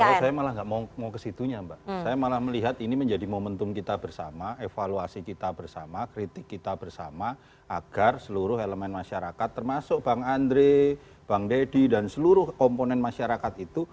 kalau saya malah nggak mau ke situnya mbak saya malah melihat ini menjadi momentum kita bersama evaluasi kita bersama kritik kita bersama agar seluruh elemen masyarakat termasuk bang andre bang deddy dan seluruh komponen masyarakat itu